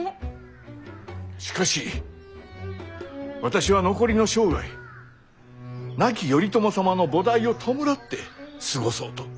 しかし私は残りの生涯亡き頼朝様の菩提を弔って過ごそうと。